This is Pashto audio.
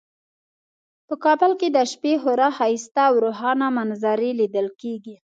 په کابل کې د شپې خورا ښایسته او روښانه منظرې لیدل کیږي